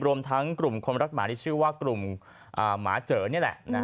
รวมทั้งกลุ่มคนรักหมาที่ชื่อว่ากลุ่มหมาเจอนี่แหละ